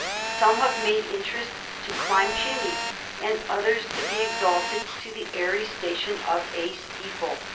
Some have made interest to climb chim neys, and others to be exalted to the airy station of a steeple.'